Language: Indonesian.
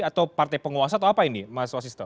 atau partai penguasa atau apa ini mas wasisto